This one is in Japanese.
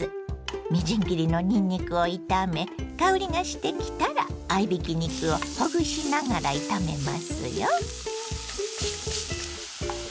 みじん切りのにんにくを炒め香りがしてきたら合いびき肉をほぐしながら炒めますよ。